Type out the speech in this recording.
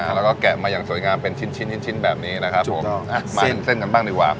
แล้วก็แกะมาอย่างสวยงามเป็นชิ้นชิ้นแบบนี้นะครับผมมาเส้นเส้นกันบ้างดีกว่า